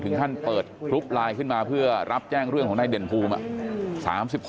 ท่านเปิดกรุ๊ปไลน์ขึ้นมาเพื่อรับแจ้งเรื่องของนายเด่นภูมิ